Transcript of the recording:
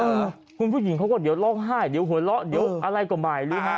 เออคุณผู้หญิงเขาก็เดี๋ยวร้องไห้เดี๋ยวหัวเราะเดี๋ยวอะไรก็ไม่รู้ฮะ